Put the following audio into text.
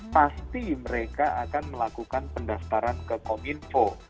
pasti mereka akan melakukan pendaftaran ke kominfo